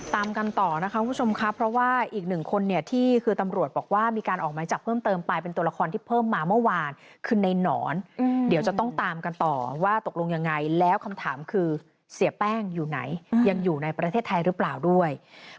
ตามกันต่อนะคะคุณผู้ชมครับเพราะว่าอีกหนึ่งคนเนี่ยที่คือตำรวจบอกว่ามีการออกไม้จับเพิ่มเติมไปเป็นตัวละครที่เพิ่มมาเมื่อวานคือในหนอนเดี๋ยวจะต้องตามกันต่อว่าตกลงยังไงแล้วคำถามคือเสียแป้งอยู่ไหนยังอยู่ในประเทศไทยหรือเปล่าด้วย